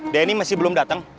denny masih belum datang